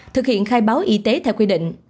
thực hiện khai báo y tế theo quy định